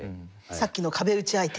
さっきの壁打ち相手。